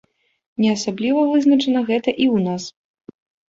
Не асабліва вызначана гэта і ў нас.